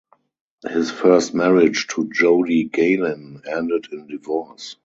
His first marriage to Jody Gaylin ended in divorce.